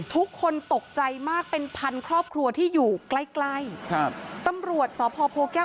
ทุกคนตกใจมากเป็นพันครอบครัวที่อยู่ใกล้ใกล้ครับตำรวจสพโพแก้ว